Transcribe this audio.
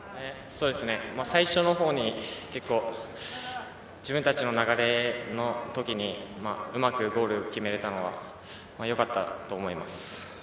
最初のほうに結構、自分たちの流れの時にうまくゴールを決めれたのはよかったと思います。